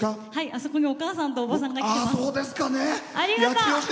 あそこにお母さんとおばさんが来てます。